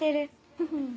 フフ。